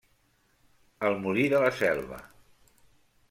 El molí de la Selva.